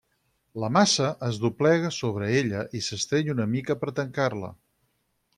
La massa es doblega sobre ella i s'estreny una mica per tancar-la.